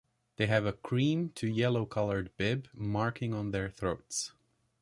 They have a cream to yellow coloured "bib" marking on their throats.